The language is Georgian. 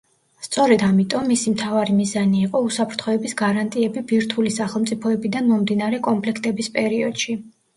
სწორედ ამიტომ მისი მთავარი მიზანი იყო უსაფრთხოების გარანტიები ბირთვული სახელმწიფოებიდან მომდინარე კონფლიქტების პერიოდში.